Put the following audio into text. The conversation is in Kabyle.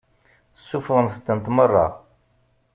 Suffɣemt-tent meṛṛa.